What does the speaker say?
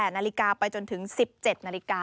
นาฬิกาไปจนถึง๑๗นาฬิกา